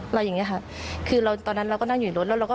อะไรอย่างนี้ค่ะคือเราตอนนั้นเราก็นั่งอยู่รถแล้วเราก็